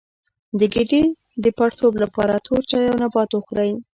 د ګیډې د پړسوب لپاره تور چای او نبات وخورئ